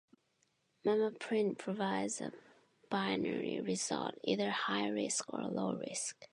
MammaPrint provides a binary result, either high risk or low risk.